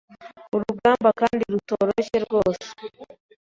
urugamba kandi rutoroshye rwose